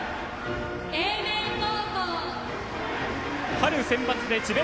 春センバツで智弁